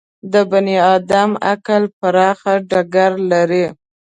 د بني ادم عقل پراخ ډګر لري.